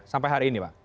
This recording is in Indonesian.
sampai hari ini pak